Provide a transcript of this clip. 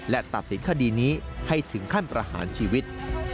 และตัดสินคดีนี้ให้ถึงขั้นประหารชีวิต